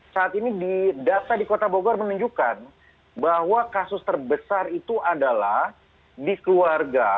saat ini di data di kota bogor menunjukkan bahwa kasus terbesar itu adalah di keluarga